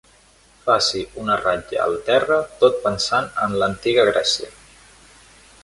Faci una ratlla al terra tot pensant en l'antiga Grècia.